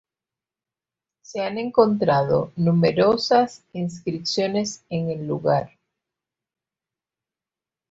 Se han encontrado numerosas inscripciones en el lugar.